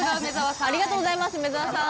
ありがとうございます梅沢さん。